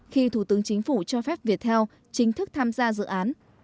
khi thủ tướng chính phủ cho phép việt theo chính thức tham gia dự án